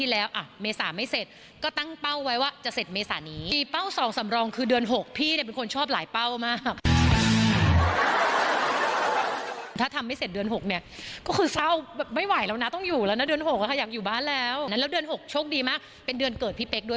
แล้วเดือน๖โชคดีมากเป็นเดือนเกิดพี่เป๊กด้วย